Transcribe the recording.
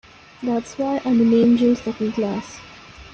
That's why I'm an angel Second Class.